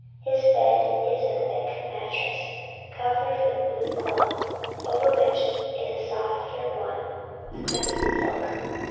His bed is a thick mattress, covered with blue cloth, over which is a softer one of crimson silk.